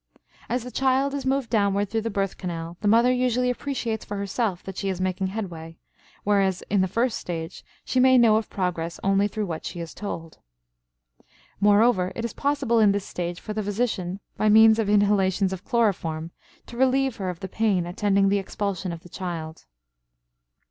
As the child is moved downward through the birth canal, the mother usually appreciates for herself that she is making headway; whereas in the first stage she may know of progress only through what she is told. Moreover, it is possible in this stage for the physician, by means of inhalations of chloroform, to relieve her of the pain attending the expulsion of the child.